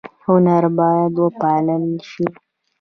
هنر باید وپال ل شي